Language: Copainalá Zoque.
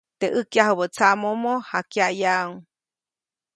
Teʼ ʼäjkyajubä tsaʼmomo, jakyaʼyaʼuŋ.